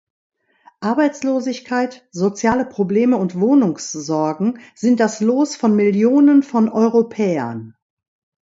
Arbeitslosigkeit, soziale Probleme und Wohnungssorgen sind das Los von Millionen von Europäern.